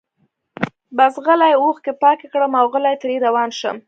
بس غلي اوښکي پاکي کړم اوغلی ترې روان شم